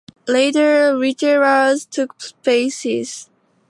Later retailers took spaces.